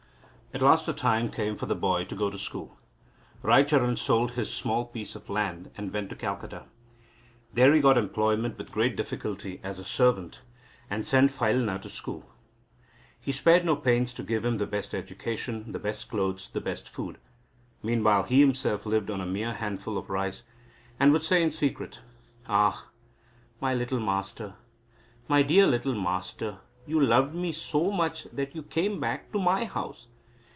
At last the time came for the boy to go to school. Raicharan sold his small piece of land, and went to Calcutta. There he got employment with great difficulty as a servant, and sent Phailna to school. He spared no pains to give him the best education, the best clothes, the best food. Meanwhile he lived himself on a mere handful of rice, and would say in secret: "Ah! my little Master, my dear little Master, you loved me so much that you came back to my house.